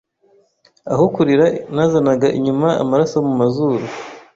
aho kurira nazanaga imyuna Amaraso mu mazur